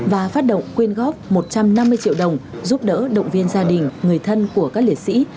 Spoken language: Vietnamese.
và phát động quyên góp một trăm năm mươi triệu đồng giúp đỡ động viên gia đình người thân của các liệt sĩ